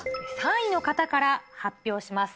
３位の方から発表します。